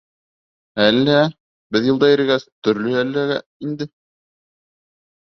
— Әллә, беҙ юлда йөрөгәс, төрлөһө эләгә инде.